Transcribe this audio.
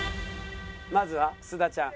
まずは須田ちゃん。